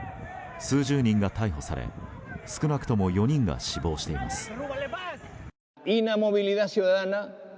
数十人が逮捕され、少なくとも４人が死亡しています。